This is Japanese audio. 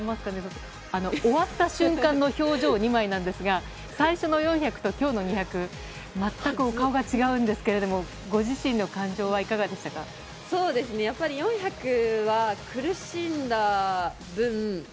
終わった瞬間の表情２枚なんですが最初の４００と今日の２００全くお顔が違うんですがご自身の感情はやっぱり４００は苦しんだ分